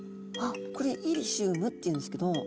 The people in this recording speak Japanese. これイリシウムっていうんですけど。